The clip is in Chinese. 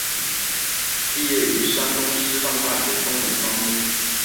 毕业于山东师范大学中文专业。